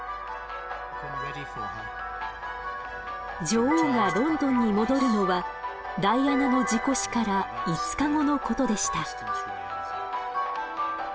女王がロンドンに戻るのはダイアナの事故死から５日後のことでした。